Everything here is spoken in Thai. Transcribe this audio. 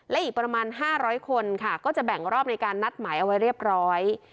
และอีกประมาณ๕๐๐คนค่ะก็จะแบ่งรอบในการนัดหมายเอาไว้เรียบร้อย